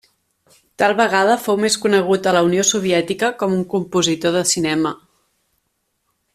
Tal vegada fou més conegut a la Unió Soviètica com un compositor de cinema.